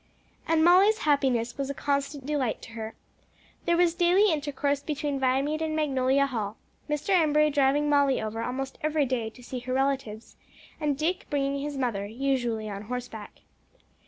And Molly's happiness was a constant delight to her. There was daily intercourse between Viamede and Magnolia Hall, Mr. Embury driving Molly over almost every day to see her relatives, and Dick bringing his mother, usually on horseback.